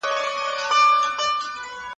زه نه غواړم د نورو پیغامونه وګورم.